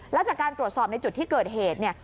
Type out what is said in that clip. แล้วจากการตรวจสอบในจุดที่เกิดเหตุเนี่ย